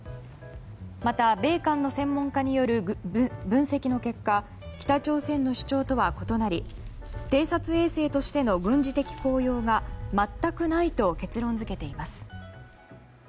また米韓の専門家による分析の結果北朝鮮の主張とは異なり偵察衛星としての軍事的効用が全くないと結論付けています。